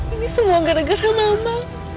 ini semua gara gara lama